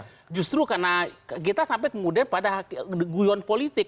karena justru karena kita sampai kemudian pada guyon politik